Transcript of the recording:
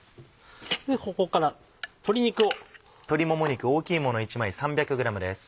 ここから鶏肉を。